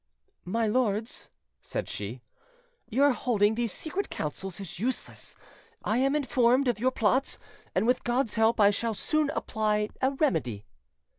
"My lords," said she, "your holding these secret counsels is useless. I am informed of your plots, and with God's help I shall soon apply a remedy".